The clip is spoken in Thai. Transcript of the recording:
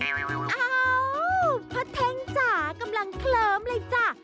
อ้าวพ่อเท่งจ๋ากำลังเคลิ้มเลยจ้ะ